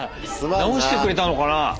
直してくれたのかな？